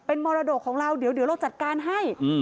เป็นมรดกของเราเดี๋ยวเดี๋ยวเราจัดการให้อืม